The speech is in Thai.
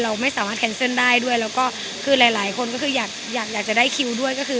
เราไม่สามารถแคนเซิลได้ด้วยแล้วก็คือหลายคนก็คืออยากอยากจะได้คิวด้วยก็คือ